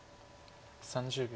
３０秒。